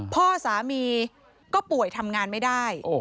พ่อสามีก็ป่วยทำงานไม่ได้